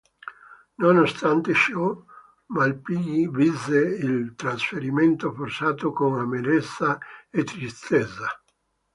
Nonostante ciò, Malpighi visse il trasferimento forzato con amarezza e tristezza.